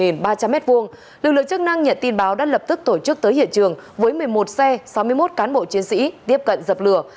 lực lượng chức năng nhận tin báo đã lập tức tổ chức tới hiện trường với một mươi một xe sáu mươi một cán bộ chiến sĩ tiếp cận dập lửa